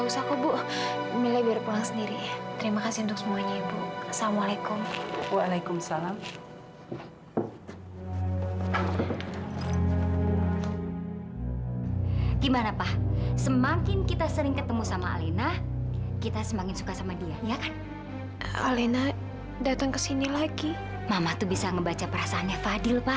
sampai jumpa di video selanjutnya